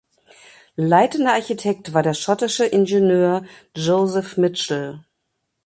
Leitender Architekt war der schottische Ingenieur Joseph Mitchell.